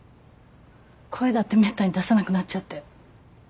声だってめったに出さなくなっちゃって。